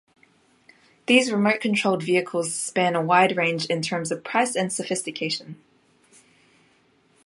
These remote controlled vehicles span a wide range in terms of price and sophistication.